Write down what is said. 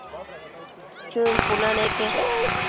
Chën cuna neque